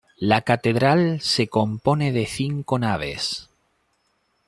La catedral se compone de cinco naves.